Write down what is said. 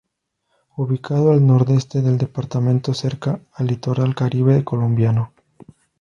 Ubicado al nordeste del departamento, cerca al litoral Caribe colombiano.